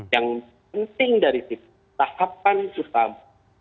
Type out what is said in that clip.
yang penting dari tahapan utama